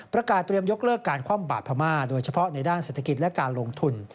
ประกาศเตรียมยกเลิกการคว่ำบาดพม่าโดยเฉพาะในด้านเศรษฐกิจและการลงทุน